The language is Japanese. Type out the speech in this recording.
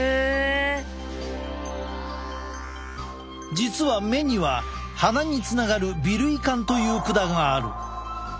実は目には鼻につながる鼻涙管という管がある。